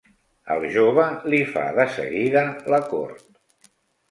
El jove li fa de seguida la cort.